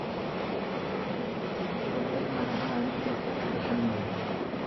Ijoolleen mana isaanii keessatti bashannanu.